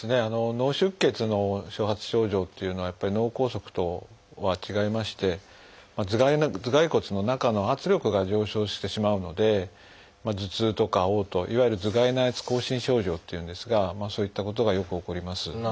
脳出血の初発症状というのは脳梗塞とは違いまして頭蓋骨の中の圧力が上昇してしまうので頭痛とかおう吐いわゆる「頭蓋内圧亢進症状」というんですがそういったことがよく起こります。